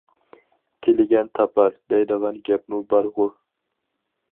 ‹‹ تىلىگەن تاپار›› دەيدىغان گەپمۇ بارغۇ.